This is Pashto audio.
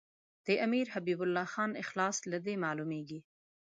امیر حبیب الله خان اخلاص له دې معلومیږي.